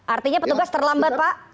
artinya petugas terlambat pak